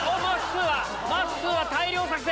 まっすーは大量作戦！